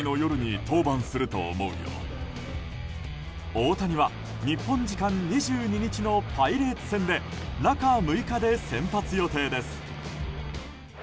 大谷は日本時間２２日のパイレーツ戦で中６日で先発予定です。